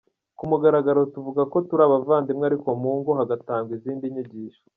Ku mugaragaro tuvugako turi abavandimwe ariko mu ngo hagatangwa izindi nyigisho.